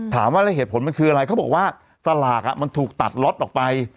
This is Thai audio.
ถามว่าแล้วเหตุผลมันคืออะไรเขาบอกว่าสลากมันถูกตัดล็อตออกไป